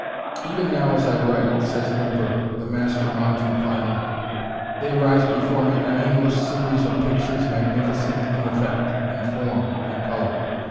"Even now as I write," says Whymper the master mountain climber, "they rise before me an endless series of pictures magnificent in effect, in form and color.